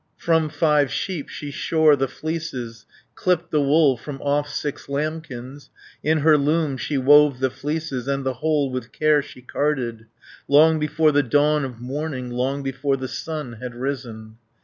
From five sheep she shore the fleeces, Clipped the wool from off six lambkins, In her loom she wove the fleeces, And the whole with care she carded, Long before the dawn of morning, Long before the sun had risen.